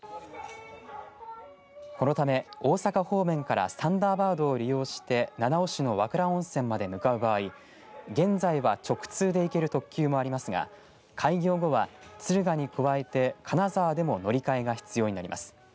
このため、大阪方面からサンダーバードを利用して七尾市の和倉温泉まで向かう場合現在は直通で行ける特急もありますが開業後は敦賀に加えて金沢でも乗り換えが必要になります。